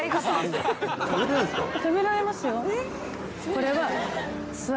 「これは」